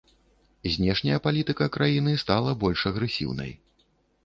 Знешняя палітыка краіны стала больш агрэсіўнай.